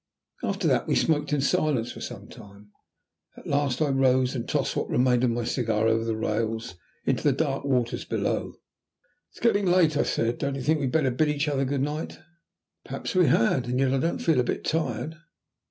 After that we smoked in silence for some time. At last I rose and tossed what remained of my cigar over the rails into the dark waters below. "It is getting late," I said. "Don't you think we had better bid each other good night?" "Perhaps we had, and yet I don't feel a bit tired."